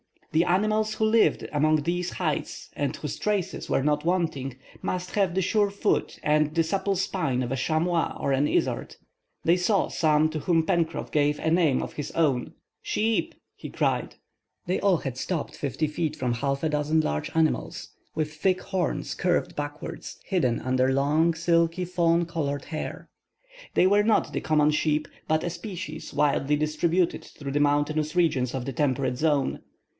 The animals who lived among these heights, and whose traces were not wanting, must have the sure foot and the supple spine of a chamois or an izard. They saw some to whom Pencroff gave a name of his own—"Sheep," he cried. They all had stopped fifty feet from half a dozen large animals, with thick horns curved backwards and flattened at the end, and with woolly fleece, hidden under long silky fawn colored hair. They were not the common sheep, but a species widely distributed through the mountainous regions of the temperate zone.